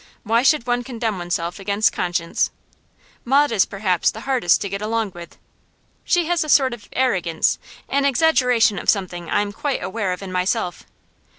Why should one condemn oneself against conscience? Maud is perhaps the hardest to get along with. She has a sort of arrogance, an exaggeration of something I am quite aware of in myself.